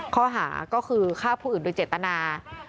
ข้อหาก็คือฆ่าผู้อื่นโดยเจตนา